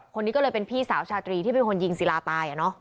คนนี้ก็เลยเป็นพี่สาวชาตรีที่เป็นคนยิงศิลาตาย